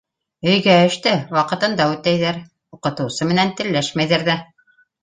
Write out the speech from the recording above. Өйгә эште ваҡытында үтәйҙәр, уҡытыусы менән телләшмәйҙәр ҙә.